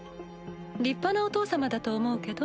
立派なお父様だと思うけど？